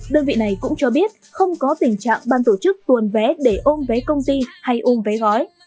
đơn vị này cũng cho biết không có tình trạng ban tổ chức tuồn vé để ôm vé công ty hay ôm vé gói